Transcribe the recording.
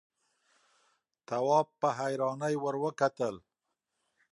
تواب په حيرانۍ ور وکتل.